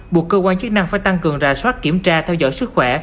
buộc cơ quan chức năng phải tăng cường rà soát kiểm tra theo dõi sức khỏe